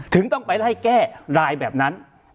ถึงต้องไปไล่แก้รายแบบนั้น